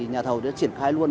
nhà thầu đã triển khai luôn